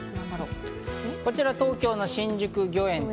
こちら東京の新宿御苑。